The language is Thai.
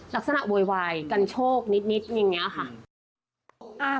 โวยวายกันโชคนิดอย่างนี้ค่ะ